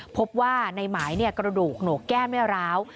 พบว่าในหมายกระดูกหนูแก้ไม่ร้าว